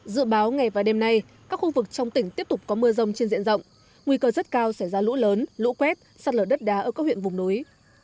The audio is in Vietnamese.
dự báo ngày và đêm nay các khu vực trong tỉnh tiếp tục có mưa rông trên diện rộng nguy cơ rất cao sẽ ra lũ lớn lũ quét sạt lở đất đá ở các huyện vùng núi